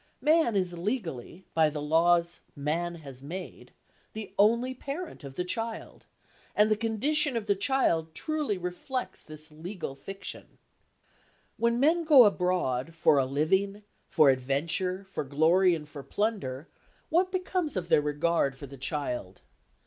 Man is legally, by the laws man has made, the only parent of the child, and the condition of the child truly reflects this legal fiction. When men go abroad for a living, for adventure, for glory or for plunder, what becomes of their regard for the child?